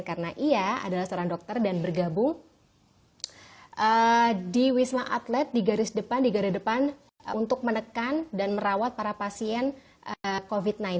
karena ia adalah seorang dokter dan bergabung di wisma atlet di garis depan untuk menekan dan merawat para pasien covid sembilan belas